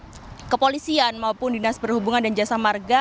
baik kepolisian maupun dinas perhubungan dan jasa marga